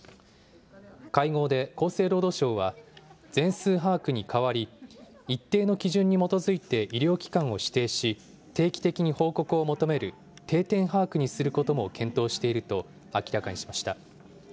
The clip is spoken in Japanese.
会合で厚生労働省は、全数把握にかわり、一定の基準に基づいて医療機関を指定し、定期的に報告を求める、定点把握にすることも検討していると明らかにしました。